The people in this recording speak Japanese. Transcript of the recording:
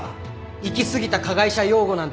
行きすぎた加害者擁護なんて